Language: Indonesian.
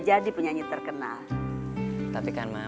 jadi ternyata kamuisés saya kan pafah